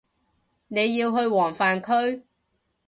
你要去黃泛區